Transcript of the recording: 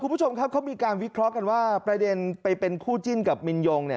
คุณผู้ชมครับเขามีการวิเคราะห์กันว่าประเด็นไปเป็นคู่จิ้นกับมินยง